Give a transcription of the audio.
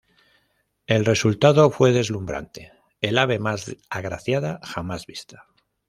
El resultado fue deslumbrante: el ave más agraciada jamás vista.